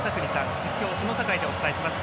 実況、下境でお伝えします。